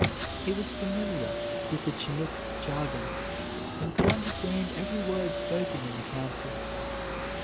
He was familiar with the Chinook jargon, and could understand every word spoken in the council.